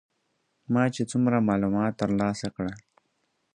ما چې څومره معلومات تر لاسه کړل.